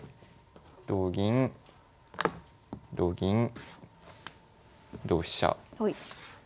同銀同銀同飛車。でまあ